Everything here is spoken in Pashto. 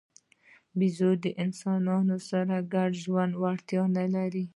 بیزو د انسانانو سره د ګډ ژوند وړتیا نه لري.